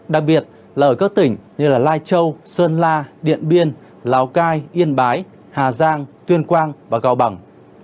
đặc biệt là ở các tỉnh như lai châu sơn la điện biên lào cai yên bái hà giang tuyên quang và cao bằng